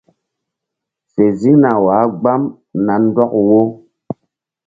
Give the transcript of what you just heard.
Fe ziŋna wah gbam na ndɔk wo.